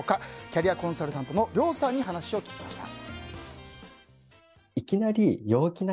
キャリアコンサルタントのリョウさんに話を聞きました。